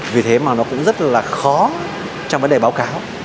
vì thế mà nó cũng rất là khó trong vấn đề báo cáo